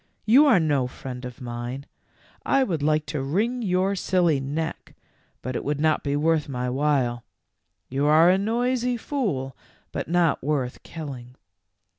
"You are no friend of mine. I would like to wring your silly neck, but it would not be worth my while ; you are a noisy fool, but not worth killing.'